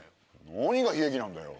何が悲劇なんだよ。